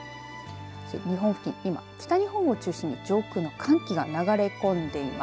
日本付近、今、北日本を中心に上空の寒気が流れ込んでいます。